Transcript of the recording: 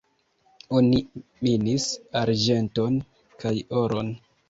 Oni minis arĝenton kaj oron.